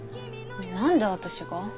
何で私が？